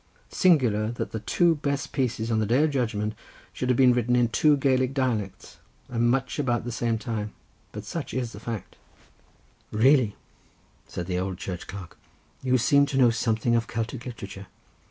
Singular that the two best pieces on the Day of Judgment should have been written in two Celtic dialects, and much about the same time; but such is the fact." "Really," said the old church clerk, "you seem to know something of Celtic literature."